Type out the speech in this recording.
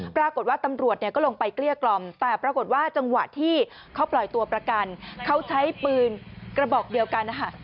ปรากฏว่าตำรวจเนี่ยก็ลงไปเกลี้ยกล่อมแต่ปรากฏว่าจังหวะที่เขาปล่อยตัวประกันเขาใช้ปืนกระบอกเดียวกันนะคะ